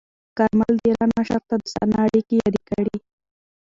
کارمل د ایران مشر ته دوستانه اړیکې یادې کړې.